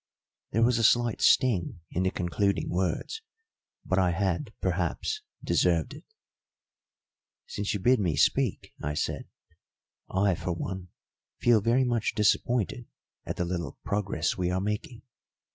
There was a slight sting in the concluding words, but I had, perhaps, deserved it. "Since you bid me speak," I said, "I, for one, feel very much disappointed at the little progress we are making.